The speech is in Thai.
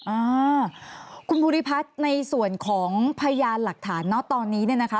อ้าวคุณภูริพัฒน์ในส่วนของพยานหลักฐานตอนนี้นะคะ